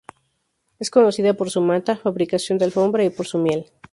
Es conocida por su manta, fabricación de alfombra y por su miel.